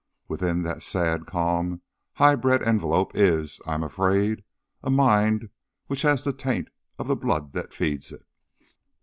Within that sad, calm, high bred envelope is I am afraid a mind which has the taint of the blood that feeds it."